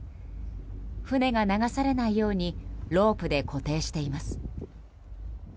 船が流されないようにロープで固定しています。